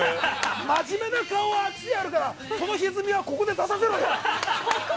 真面目な顔はあっちでやるからそのひずみはこっちで出させろよ。